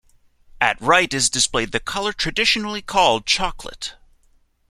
At right is displayed the color traditionally called "chocolate".